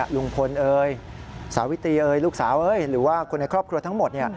ลุงพลสาวิตรีลูกสาวหรือว่าคนในครอบครัวทั้งหมด